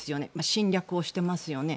侵略をしていますよね。